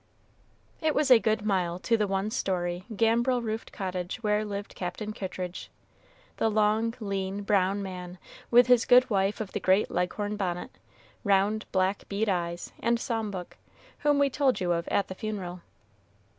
It was a good mile to the one story, gambrel roofed cottage where lived Captain Kittridge, the long, lean, brown man, with his good wife of the great Leghorn bonnet, round, black bead eyes, and psalm book, whom we told you of at the funeral.